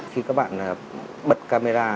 khi các bạn bật camera